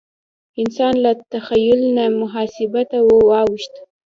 انسان له تخیل نه محاسبه ته واوښت.